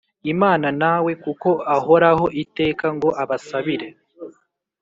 Imana na we kuko ahoraho iteka ngo abasabire